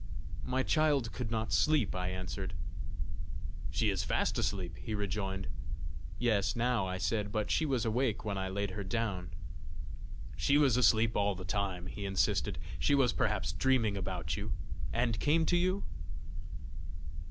"My child could not sleep," I answered. "She is fast asleep!" he rejoined. "Yes, now!" I said; "but she was awake when I laid her down." "She was asleep all the time!" he insisted. "She was perhaps dreaming about you and came to you?"